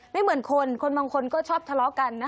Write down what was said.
ไม่เหมือนคนคนบางคนก็ชอบทะเลาะกันนะคะ